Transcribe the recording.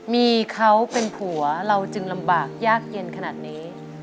มีเขาเป็นผัวเราจึงลำบากยากเย็นขนาดนี้